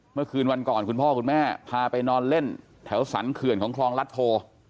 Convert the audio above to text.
เมื่อคืนวันก่อนคุณพ่อคุณแม่พาไปนอนเล่นแถวสรรเขื่อนของคลองรัฐโพ